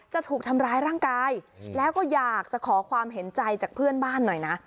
จะถูกทำร้ายร่างกายแล้วก็อยากจะขอความเห็นใจจากเพื่อนบ้านหน่อยนะ